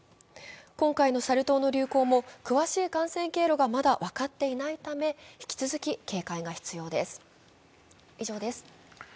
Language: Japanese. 今回のサル痘の流行も詳しい感染経路がまだ分かっていないため引き続き警戒が必要です。